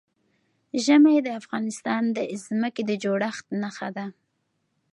ژمی د افغانستان د ځمکې د جوړښت نښه ده.